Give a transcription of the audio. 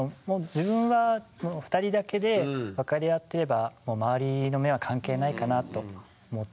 自分は２人だけで分かり合っていればもう周りの目は関係ないかなと思っていますね。